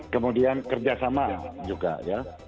kemudian kerjasama juga ya